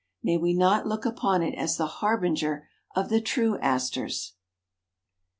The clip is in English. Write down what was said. May we not look upon it as the harbinger of the true Astors?